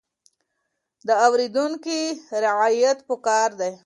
د اورېدونکي رعايت پکار دی.